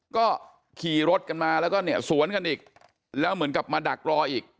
ก็ขี่รถกันมาแล้วก็เนี่ยสวนกันอีกแล้วเหมือนกับมาดักรออีก